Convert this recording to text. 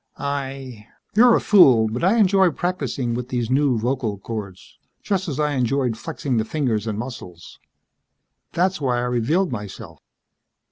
"I ..." "You're a fool, but I enjoy practicing with these new vocal chords, just as I enjoyed flexing the fingers and muscles. That's why I revealed myself.